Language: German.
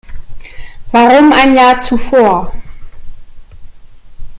Warum ein Jahr zuvor?